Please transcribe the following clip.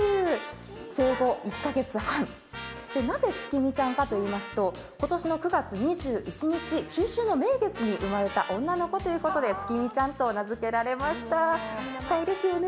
生後１カ月半、なぜつきみちゃんかというと、今年の９月２１日、中秋の名月に生まれた女の子ということでつきみちゃんと名付けられましたかわいいですよね。